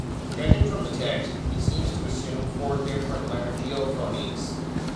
Judging from the text, he seems to assume four different laryngeal phonemes.